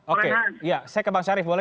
oke saya ke bang syarif